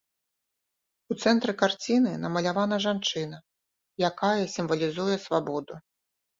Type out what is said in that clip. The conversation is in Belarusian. У цэнтры карціны намалявана жанчына, якая сімвалізуе свабоду.